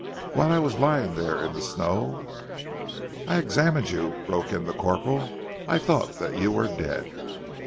Whilst I was lying there in the snow " "I examined you," broke in the corporal. "I thought that you were dead!"